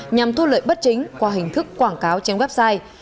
nhằm thu lợi bất chính qua hình thức quảng cáo trên website